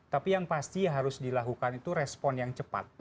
tapi yang pasti harus dilakukan itu respon yang cepat